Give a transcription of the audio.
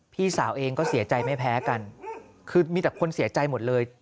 พี่สาวเองก็เสียใจไม่แพ้กันคือมีแต่คนเสียใจหมดเลย